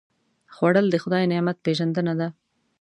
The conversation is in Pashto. خوړل د خدای نعمت پېژندنه ده